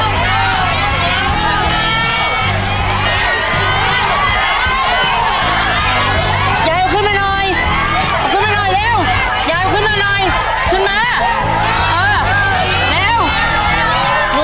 อย่าเอาขึ้นมาหน่อย